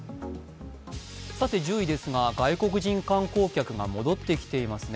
さて１０位ですが、外国人観光客が戻ってきていますね。